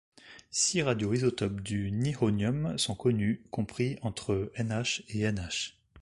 Six radioisotopes du nihonium sont connus, compris entre Nh et Nh.